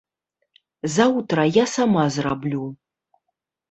Заўтра я сама зраблю.